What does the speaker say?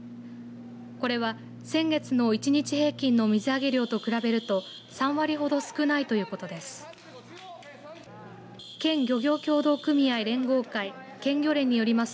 これは先月の１日平均の水揚げ量と比べると３割ほど少ないということです。